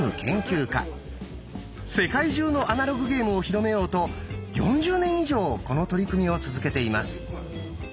世界中のアナログゲームを広めようと４０年以上この取り組みを続けています。